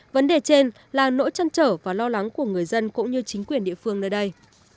vấn đề trên là nỗi chăn trở và lo lắng của người dân cũng như chính quyền địa phương nơi đây